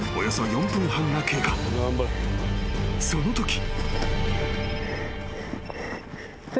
［そのとき］